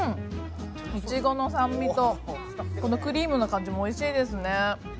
いちごの酸味とこのクリームの感じもおいしいですね